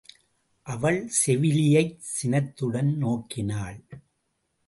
அவள் செவிலியைச் சினத்துடன் நோக்கினாள்.